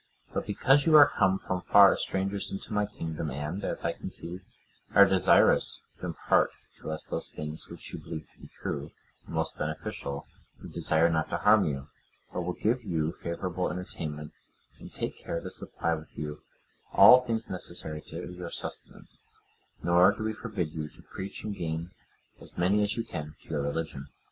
But because you are come from far as strangers into my kingdom, and, as I conceive, are desirous to impart to us those things which you believe to be true, and most beneficial, we desire not to harm you, but will give you favourable entertainment, and take care to supply you with all things necessary to your sustenance; nor do we forbid you to preach and gain as many as you can to your religion."